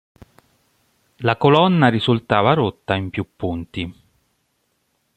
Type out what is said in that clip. La colonna risultava rotta in più punti.